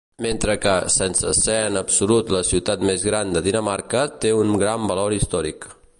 Mentre que, sense ser en absolut la ciutat més gran de Dinamarca, té un gran valor històric.